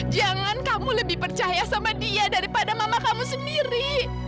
jangan kamu lebih percaya sama dia daripada mama kamu sendiri